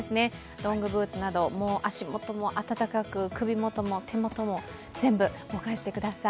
ロングブーツなど足元も暖かく首元も手元も全部防寒してください。